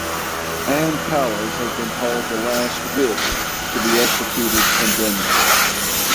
Anne Palles has been called the last "witch" to be executed in Denmark.